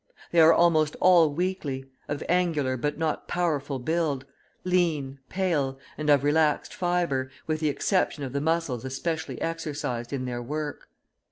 They are almost all weakly, of angular but not powerful build, lean, pale, and of relaxed fibre, with the exception of the muscles especially exercised in their work.